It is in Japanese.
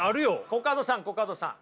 コカドさんコカドさん。